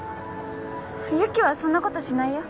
雪はそんなことしないよ。